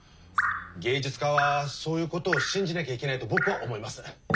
芸術家はそういうことを信じなきゃいけないと僕は思います。